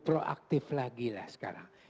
proaktif lagi lah sekarang